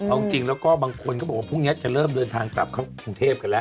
เอาจริงแล้วก็บางคนก็บอกว่าพรุ่งนี้จะเริ่มเดินทางกลับเข้ากรุงเทพกันแล้ว